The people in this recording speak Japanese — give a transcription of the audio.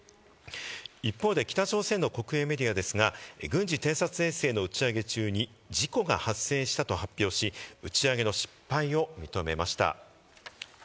一方で北朝鮮の国営メディアですが、軍事偵察衛星の打ち上げ中に事故が発生したと発表し、打ち上げの失敗を認めました。